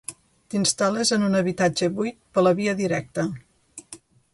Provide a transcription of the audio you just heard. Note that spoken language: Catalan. T'instal·les en un habitatge buit per la via directa.